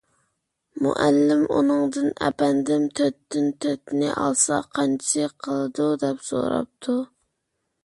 مۇئەللىم ئۇنىڭدىن: _ ئەپەندىم، تۆتتىن تۆتنى ئالسا قانچىسى قالىدۇ؟ _ دەپ سوراپتۇ.